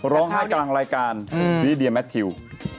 ร้องไห้กลางรายการลิเดียแมททิว